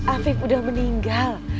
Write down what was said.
afif udah meninggal